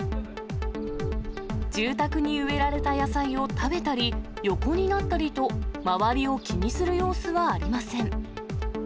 住宅に植えられた野菜を食べたり、横になったりと、周りを気にする様子はありません。